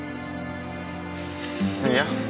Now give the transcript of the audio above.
いや。